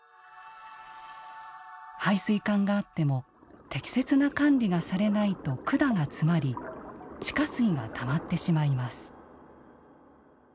排水管があっても適切な管理がされないと管が詰まり地下水がたまってしまいます。